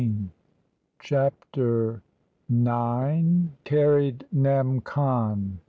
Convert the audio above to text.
CHAPTER NINE. CARRIED NEM. CON.